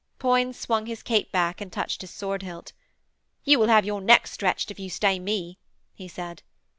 Poins swung his cape back and touched his sword hilt. 'You will have your neck stretched if you stay me,' he said.